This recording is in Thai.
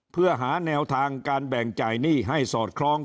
เพื่อหาแนวทางการแบ่งจ่ายหนี้ให้สอดคล้อง